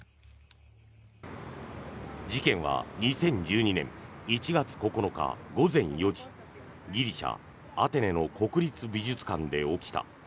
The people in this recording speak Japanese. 事件は２０１２年１月９日午前４時ギリシャ・アテネの国立美術館で起きた。